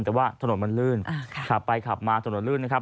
แต่ว่าถนนมันลื่นขับไปขับมาถนนลื่นนะครับ